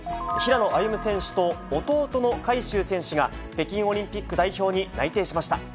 平野歩夢選手と弟の海祝選手が北京オリンピック代表に内定しました。